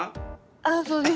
あっそうです。